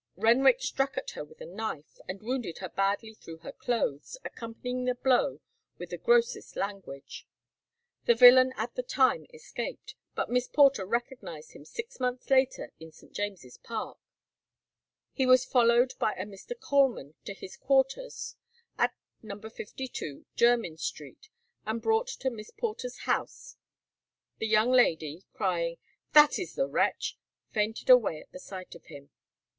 Renwick struck at her with a knife, and wounded her badly through her clothes, accompanying the blow with the grossest language. The villain at the time escaped, but Miss Porter recognized him six months later in St. James's Park. He was followed by a Mr. Coleman to his quarters at No. 52, Jermyn Street, and brought to Miss Porter's house. The young lady, crying "That is the wretch!" fainted away at the sight of him.